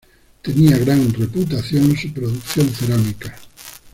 Tenía gran reputación su producción cerámica.